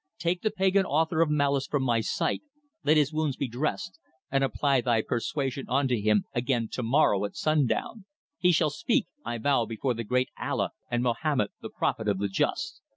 "Take the pagan author of malice from my sight, let his wounds be dressed, and apply thy persuasion unto him again to morrow at sundown. He shall speak, I vow before the great Allah and Mahomet, the Prophet of the Just.